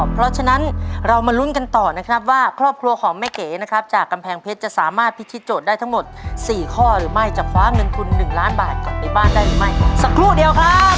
เพราะฉะนั้นเรามาลุ้นกันต่อนะครับว่าครอบครัวของแม่เก๋นะครับจากกำแพงเพชรจะสามารถพิธีโจทย์ได้ทั้งหมดสี่ข้อหรือไม่จะคว้าเงินทุน๑ล้านบาทกลับไปบ้านได้หรือไม่สักครู่เดียวครับ